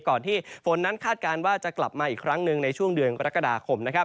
ก่อนที่ฝนนั้นคาดการณ์ว่าจะกลับมาอีกครั้งในช่วงเดือนปรกฎาคม